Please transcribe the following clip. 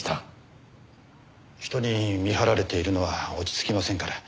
人に見張られているのは落ち着きませんから。